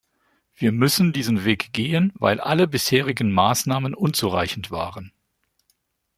Wir müssen diesen Weg gehen, weil alle bisherigen Maßnahmen unzureichend waren.